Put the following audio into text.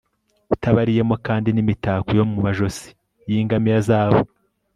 utabariyemo kandi n'imitako yo mu majosi y'ingamiya zabo